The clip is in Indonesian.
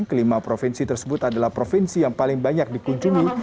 kelima provinsi tersebut adalah provinsi yang paling banyak dikunjungi